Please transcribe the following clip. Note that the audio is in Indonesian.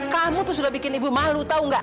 kamu tuh sudah bikin ibu malu tahu nggak